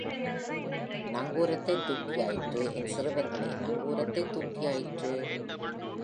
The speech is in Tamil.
நங்கூரத்தை தூக்கியாயிற்று, என் சிறுவர்களே, நங்கூரத்தை தூக்கியாயிற்று.